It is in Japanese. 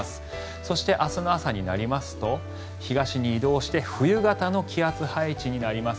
そして、明日の朝になりますと東に移動して冬型の気圧配置になります。